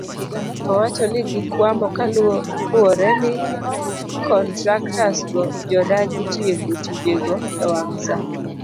Owacho ni gikwamo kaluwore ni kontraktas go jodagi tieko tijego ewang' saa